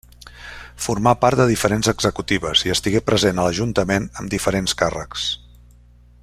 Formà part de diferents executives i estigué present a l'Ajuntament amb diferents càrrecs.